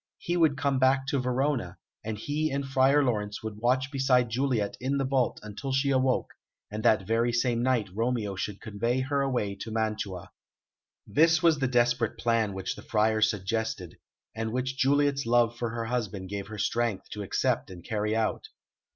He would come back to Verona, and he and Friar Laurence would watch beside Juliet in the vault until she awoke, and that very same night Romeo should convey her away to Mantua. This was the desperate plan which the Friar suggested, and which Juliet's love for her husband gave her strength to accept and carry out.